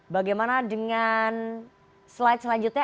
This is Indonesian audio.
bagaimana dengan slide selanjutnya